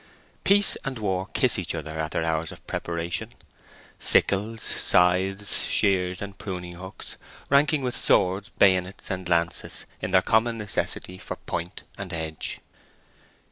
Peace and war kiss each other at their hours of preparation—sickles, scythes, shears, and pruning hooks, ranking with swords, bayonets, and lances, in their common necessity for point and edge.